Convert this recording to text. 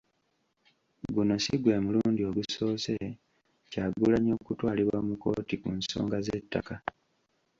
Guno si gwe mulundi ogusoose Kyagulanyi okutwalibwa mu kkooti ku nsonga z'ettaka.